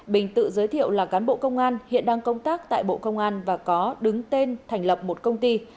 bình tự giới thiệu là cán bộ công an hiện đang công tác tại bộ công an và có đứng tên thành lập một công ty